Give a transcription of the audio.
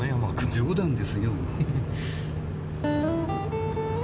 冗談ですよ。